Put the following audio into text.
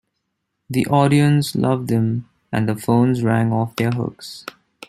The audience loved them and the phones rang off their hooks.